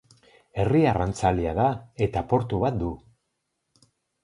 Herri arrantzalea da eta portu bat du.